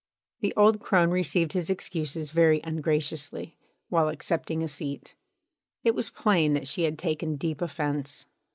The old crone received his excuses very ungraciously, while accepting a seat. It was plain that she had taken deep offence.